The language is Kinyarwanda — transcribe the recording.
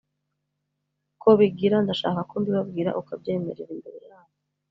ko bigira ndashaka ko mbibabwira ukabyemerera imbere yabo."